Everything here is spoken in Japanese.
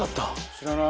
「知らない！」